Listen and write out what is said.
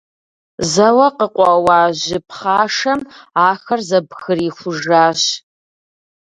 Зэуэ къыкъуэуа жьы пхъашэм ахэр зэбгрихужащ.